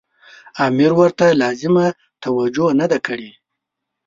امیر ورته لازمه توجه نه ده کړې.